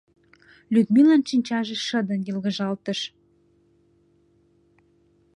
Людмилан шинчаже шыдын йылгыжалтыш.